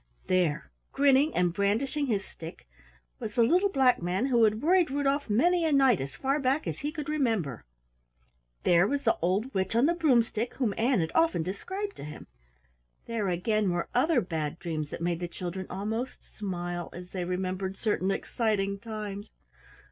There grinning and brandishing his stick was the Little Black Man who had worried Rudolf many a night as far back as he could remember. There was the Old Witch on the Broomstick, whom Ann had often described to him. There again, were other Bad Dreams that made the children almost smile as they remembered certain exciting times.